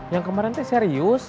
yang kemarin itu serius